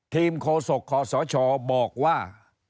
ทีมโคศกคอสชบอกว่า